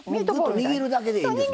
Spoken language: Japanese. グッと握るだけでいいんですね。